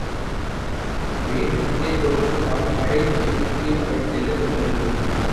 வேண்டுமென்றே தோற்று அவனை அடையும் கீழ்மைக்கு அவள் செல்லத் துணிய வில்லை.